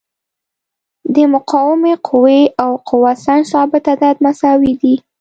د مقاومې قوې او قوه سنج ثابت عدد مساوي دي.